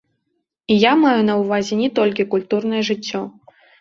І я маю на ўвазе не толькі культурнае жыццё.